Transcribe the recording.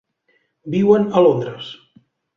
Viuen a Londres.